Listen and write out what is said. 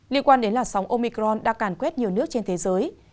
liên quan đến làn sóng omicron đã càn quét nhiều nước trên thế giới